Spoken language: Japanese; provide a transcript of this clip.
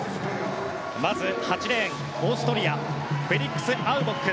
まず８レーンオーストリアフェリックス・アウボック。